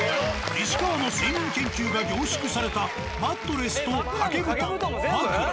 「西川」の睡眠研究が凝縮されたマットレスと掛け布団まくら。